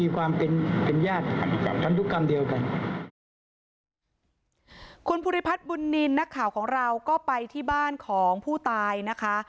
คุณภูริพัฒน์บุญนินทร์นักข่าวของเราก็ไปที่บ้านของผู้ตายนะคะ